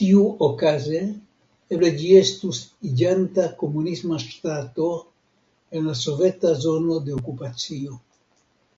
Tiuokaze, eble ĝi estus iĝante komunisma ŝtato en la soveta zono de okupacio.